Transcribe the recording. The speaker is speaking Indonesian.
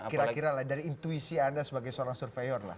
kira kira lah dari intuisi anda sebagai seorang surveyor lah